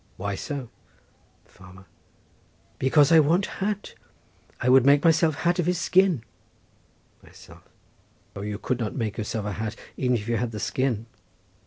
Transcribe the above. —Why so? Farmer.—Because I want hat. Would make myself hat of his skin. Myself.—O, you could not make yourself a hat even if you had the skin.